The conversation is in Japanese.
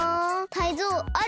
タイゾウある？